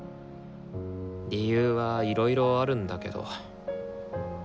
理由はいろいろあるんだけど。